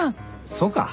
そうか？